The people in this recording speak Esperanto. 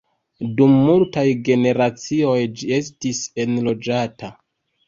Dum multaj generacioj ĝi estis enloĝata.